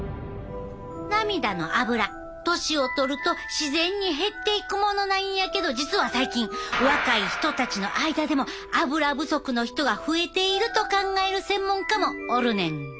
涙のアブラ年を取ると自然に減っていくものなんやけど実は最近若い人たちの間でもアブラ不足の人が増えていると考える専門家もおるねん。